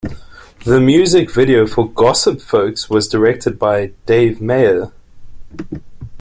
The music video for "Gossip Folks" was directed by Dave Meyers.